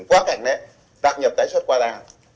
quá cảnh tạm nhập tái xuất quá đa